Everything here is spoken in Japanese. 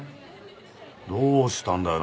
どうしたんだよ？